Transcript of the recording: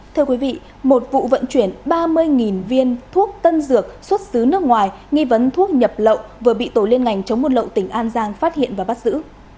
thưa quý vị một vụ vận chuyển ba mươi viên thuốc tân dược xuất xứ nước ngoài nghi vấn thuốc nhập lậu vừa bị tổ liên ngành chống buôn lậu tỉnh an giang phát hiện và bắt giữ